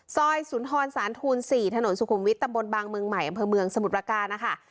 ซอยศูนย์ธรรมศาลทูลสี่ถนนสุขุมวิทย์ตำบลบังเมืองใหม่อำเภอเมืองสมุทรประการนะคะ